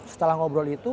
setelah ngobrol itu